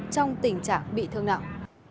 trong tình trạng bị thương nặng